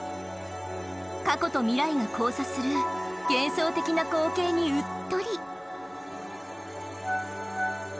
過去と未来が交差する幻想的な光景にうっとり。